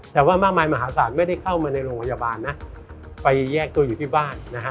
แต่ว่าม้าลมายมาหาศาลไม่ได้เข้ามาโรงพยาบาลไว้แยกตัวอยู่ที่บ้าน